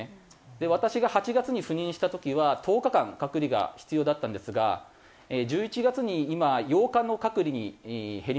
で私が８月に赴任した時は１０日間隔離が必要だったんですが１１月に今８日の隔離に減りました。